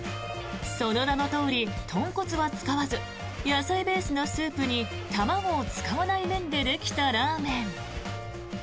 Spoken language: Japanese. その名のとおり、豚骨は使わず野菜ベースのスープに卵を使わない麺でできたラーメン。